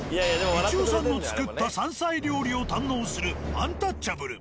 一夫さんの作った山菜料理を堪能するアンタッチャブル。